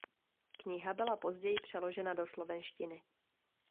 Kniha byla později přeložena do slovenštiny.